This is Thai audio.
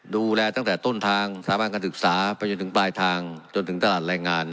ดูแลตั้งแต่ต้นทางสถาบันการศึกษาไปจนถึงปลายทางจนถึงตลาดแรงงาน